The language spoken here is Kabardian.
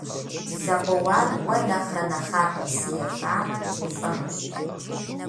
Блэ къоуар уэ нэхърэ нэхъапэ псы ефамэ, улӏэнущ.